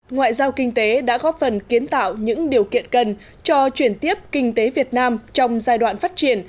ngoại giao kinh tế đã góp phần kiến tạo những điều kiện cần cho chuyển tiếp kinh tế việt nam trong giai đoạn phát triển